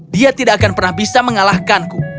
dia tidak akan pernah bisa mengalahkanku